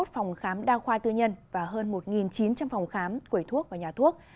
một phòng khám đa khoa tư nhân và hơn một chín trăm linh phòng khám quẩy thuốc và nhà thuốc